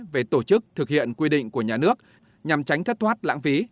về tổ chức thực hiện quy định của nhà nước nhằm tránh thất thoát lãng phí